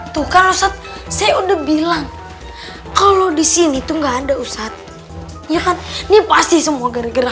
tuh kalau saya udah bilang kalau disini tuh nggak ada ustaz ya kan ini pasti semua gara gara